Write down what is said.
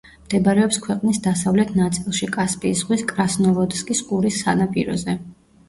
მდებარეობს ქვეყნის დასავლეთ ნაწილში, კასპიის ზღვის კრასნოვოდსკის ყურის სანაპიროზე.